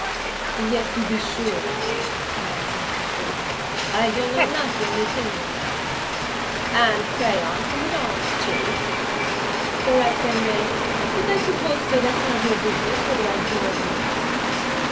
"Yes, to be sure," cried Madame Duval; "I don't know nothing need hinder me." "And pray, aunt, will you dance too?" "Perhaps I may; but I suppose, Sir, that's none of your business, whether I do or not."